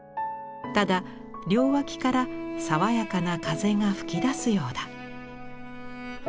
ただ両脇から爽やかな風が吹きだすようだ」。